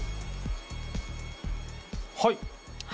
はい。